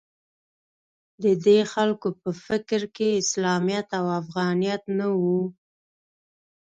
د دې خلکو په فکر کې اسلامیت او افغانیت نه و